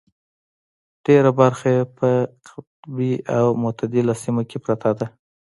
ډېره برخه یې په قطبي او متعدله سیمه کې پرته ده.